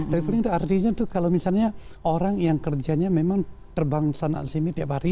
traveling itu artinya itu kalau misalnya orang yang kerjanya memang terbang ke sana sini tiap hari